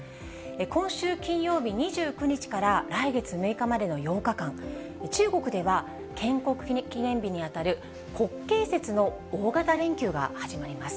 今週金曜日２９日から来月６日までの８日間、中国では建国記念日に当たる国慶節の大型連休が始まります。